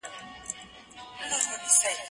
زه سينه سپين کړی دی؟